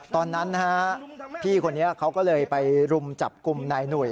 ตอนนั้นนะฮะพี่คนนี้เขาก็เลยไปรุมจับกลุ่มนายหนุ่ย